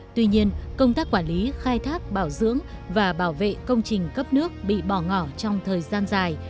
tuy nhiên công tác quản lý khai thác bảo dưỡng và bảo vệ công trình cấp nước bị bỏ ngỏ trong thời gian dài